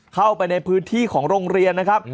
เข้าไปในพื้นที่ของโรงเรียนนะครับ